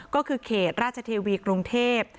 ก็คือเขตราชเทวีกรุงเทพ